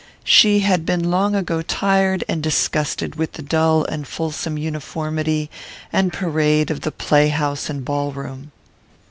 She had been long ago tired and disgusted with the dull and fulsome uniformity and parade of the play house and ballroom.